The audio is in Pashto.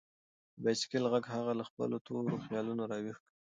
د بایسکل غږ هغه له خپلو تورو خیالونو راویښ کړ.